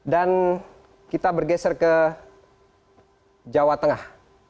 dan kita bergeser ke jawa tengah